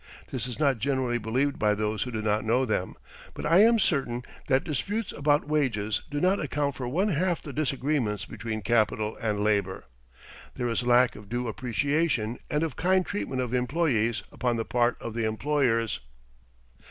This is not generally believed by those who do not know them, but I am certain that disputes about wages do not account for one half the disagreements between capital and labor. There is lack of due appreciation and of kind treatment of employees upon the part of the employers.